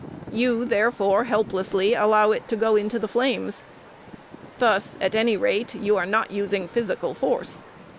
You, therefore, helplessly allow it to go into the flames. Thus, at any rate, you are not using physical force.